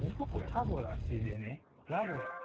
歯ブラシでねラブラシ。